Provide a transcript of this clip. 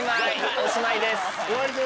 おしまいです。